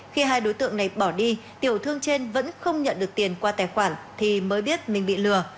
khi hai đối tượng này bỏ đi tiểu thương trên vẫn không nhận được tiền qua tài khoản thì mới biết mình bị lừa